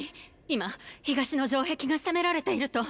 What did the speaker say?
今東の城壁が攻められていると！